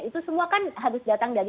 itu semua kan harus datang dari